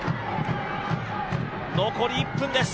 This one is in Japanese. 残り１分です。